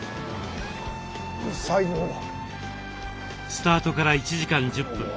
スタートから１時間１０分。